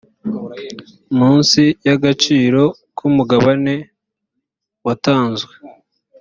munsi y’agaciro k’umugabane watanzwe